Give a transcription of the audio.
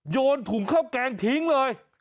โยนถุงข้าวแกงทิ้งเลย